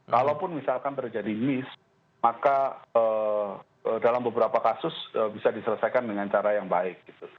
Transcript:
kalaupun misalkan terjadi miss maka dalam beberapa kasus bisa diselesaikan dengan cara yang baik